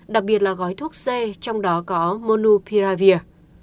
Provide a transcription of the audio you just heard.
đặc biệt là gói thuốc c trong đó có monupiravir